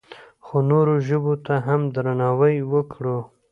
خو نورو ژبو ته هم درناوی وکړو.